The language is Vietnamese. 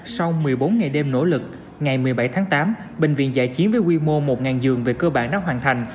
sau một mươi bốn ngày đêm nỗ lực ngày một mươi bảy tháng tám bệnh viện giải chiến với quy mô một giường về cơ bản đã hoàn thành